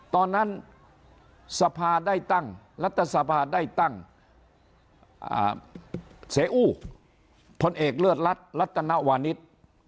ตอนนั้นรัฐสภาได้ตั้งเสอู่พลเอกเลือดรัฐรัฐนาวานิส